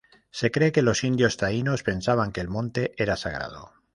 Se cree que los indios taínos pensaban que el monte era sagrado.